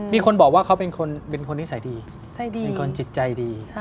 มีคนบอกว่าเขาเป็นคนนิสัยดีใจดีเป็นคนจิตใจดี